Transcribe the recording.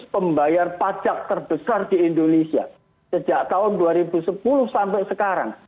pembayar pajak terbesar di indonesia sejak tahun dua ribu sepuluh sampai sekarang